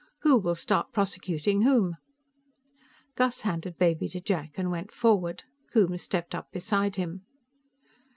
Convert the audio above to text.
"Who will start prosecuting whom?" Gus handed Baby to Jack and went forward: Coombes stepped up beside him.